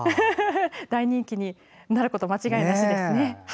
大人気になること間違いなしですね。